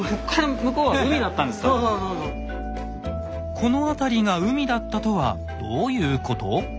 この辺りが海だったとはどういうこと？